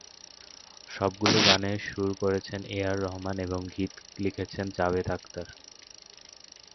সবগুলো গানের সুর করেছেন এ আর রহমান এবং গীত লিখেছেন জাভেদ আখতার।